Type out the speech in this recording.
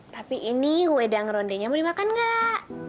tapi ini wedang rondenya boleh makan gak